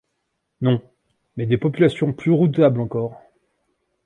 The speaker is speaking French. Non, mais des populations plus redoutables encore.